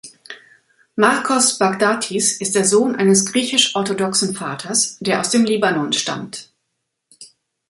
Marcos Baghdatis ist der Sohn eines griechisch-orthodoxen Vaters, der aus dem Libanon stammt.